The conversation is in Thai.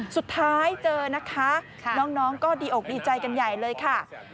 เจอนะคะน้องก็ดีอกดีใจกันใหญ่เลยค่ะ